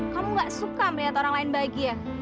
kamu gak suka melihat orang lain bahagia